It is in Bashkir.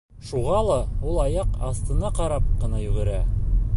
Шуға ла ул аяҡ аҫтына ҡарап ҡына йүгерә.